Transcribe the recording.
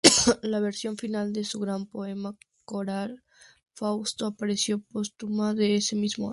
La versión final de su gran poema coral "Fausto" apareció póstuma ese mismo año.